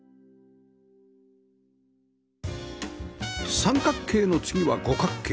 三角形の次は五角形